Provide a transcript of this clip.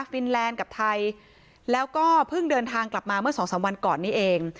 ฟินแลนด์กับไทยแล้วก็เพิ่งเดินทางกลับมาเมื่อสองสามวันก่อนนี้เอง